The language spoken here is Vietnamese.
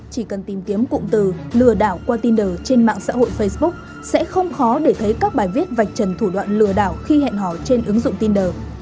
chỉ cần tìm kiếm cụm từ lừa đảo qua tinder trên mạng xã hội facebook sẽ không khó để thấy các bài viết vạch trần thủ đoạn lừa đảo khi hẹn hò trên ứng dụng tinder